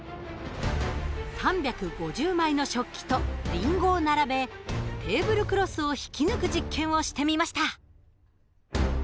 ３５０枚の食器とりんごを並べテーブルクロスを引き抜く実験をしてみました。